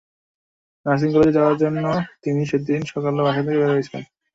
Nursing কলেজে যাওয়ার জন্য তিনি সেদিন সকালে বাসা থেকে বের হয়েছিলেন।